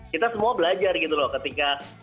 kita semua belajar gitu loh ketika